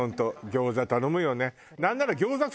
餃子頼むよね。